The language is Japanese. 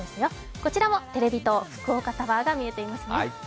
こちらもテレビ塔、福岡タワーが見えていますね。